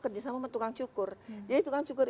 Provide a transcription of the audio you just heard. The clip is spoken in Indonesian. kerjasama tukang cukur jadi tukang cukur